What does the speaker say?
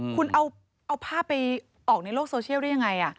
คุณเอาภาพไปออกในโลกโซเชียลได้ยังไง